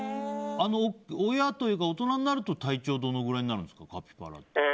親というか大人になると体長はどのぐらいになるんですか？